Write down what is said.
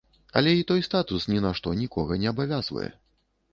Але й той статус ні на што нікога не абавязвае!